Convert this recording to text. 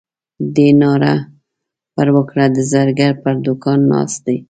دې ناره پر وکړه د زرګر پر دوکان ناست دی.